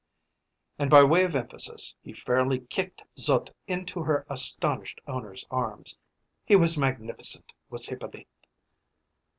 And, by way of emphasis, he fairly kicked Zut into her astonished owner's arms. He was magnificent, was Hippolyte!